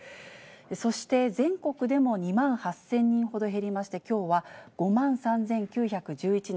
そして、全国でも２万８０００人ほど減りまして、きょうは５万３９１１人。